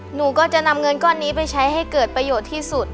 หนูก็จะนำเงินก้อนนี้ไปใช้ให้เกิดประโยชน์ที่สุด